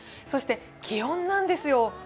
そして気温なんですよ。